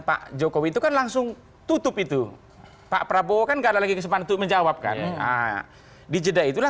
pak jokowi itu kan langsung tutup itu pak prabowo kan gak lagi sempat menjawabkan dijeda itulah